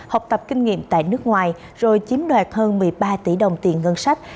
học tập kinh nghiệm tại nước ngoài rồi chiếm đoạt hơn một mươi ba tỷ đồng tiền ngân sách